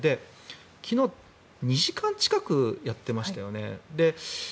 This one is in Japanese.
昨日、２時間近くやってましたよね。